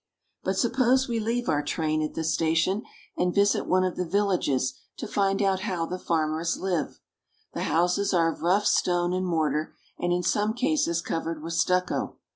But suppose we leave our train at this station, and visit one of the villages to find out how the farmers live. The houses are of rough stone and mortar, and in some cases covered with stucco.